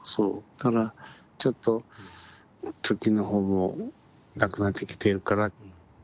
だからちょっと貯金の方もなくなってきているから。